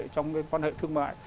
trong cái quan hệ thương mại